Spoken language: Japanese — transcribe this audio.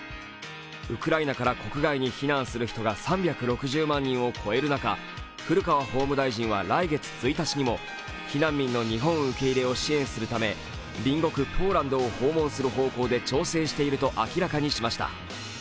ウクライナから国外に避難する人が３６０万人を超える中古川法務大臣は来月１日にも避難民の日本受け入れを支援するため隣国ポーランドを訪問する方向で調整していると明らかにしました。